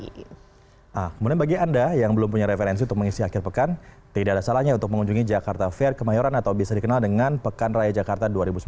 nah kemudian bagi anda yang belum punya referensi untuk mengisi akhir pekan tidak ada salahnya untuk mengunjungi jakarta fair kemayoran atau bisa dikenal dengan pekan raya jakarta dua ribu sembilan belas